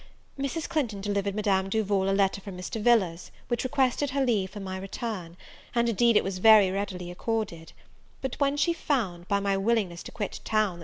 Mrs. Clinton delivered Madame Duval a letter from Mr. Villars, which requested her leave for my return; and, indeed, it was very readily accorded: yet, when she found, by my willingness to quit town that M.